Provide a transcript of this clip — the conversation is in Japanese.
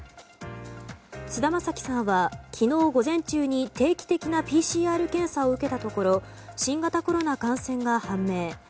菅田将暉さんは昨日午前中に定期的なＰＣＲ検査を受けたところ新型コロナ感染が判明。